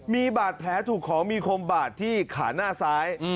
มีบาดแผลถูกของมีคมบาดที่ขาหน้าซ้าย